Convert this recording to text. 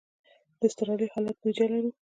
د اضطراري حالت بودیجه لرو؟